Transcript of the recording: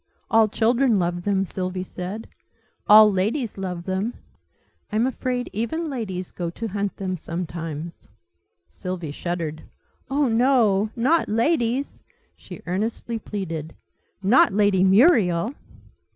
"All children love them," Sylvie said. "All ladies love them." "I'm afraid even ladies go to hunt them, sometimes." Sylvie shuddered. "Oh, no, not ladies!" she earnestly pleaded. "Not Lady Muriel!"